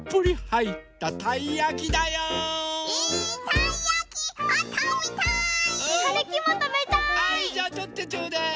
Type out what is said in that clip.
はいじゃあとってちょうだい。